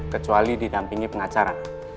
kecuali didampingi pengacara